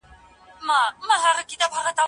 پرجوړي کړي دي باران او خټو خړي لاري